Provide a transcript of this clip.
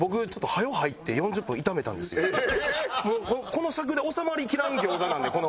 この尺で収まりきらん餃子なんでこの。